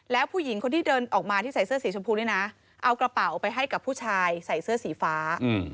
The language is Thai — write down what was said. แล้วผู้หญิงคนที่เดินออกมาที่ใส่เสื้อสีชมพูนี่นะเอากระเป๋าไปให้กับผู้ชายใส่เสื้อสีฟ้า